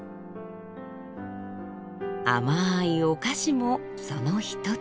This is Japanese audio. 甘いお菓子もその一つ。